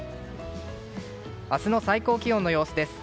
明日の最高気温の様子です。